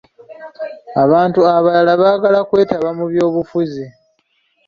Abantu abalala baagala kwetaba mu by'obufuzi.